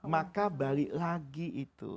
maka balik lagi itu